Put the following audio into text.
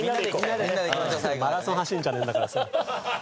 マラソン走るんじゃねえんだからさ。